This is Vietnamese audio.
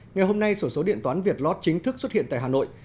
ngày hôm nay sổ số điện toán việt lot chính thức xuất hiện tại hà nội